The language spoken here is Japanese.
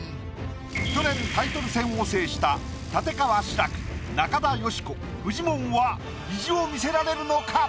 去年タイトル戦を制した立川志らく中田喜子フジモンは意地を見せられるのか？